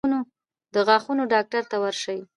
د غاښونو ډاکټر ته ورشئ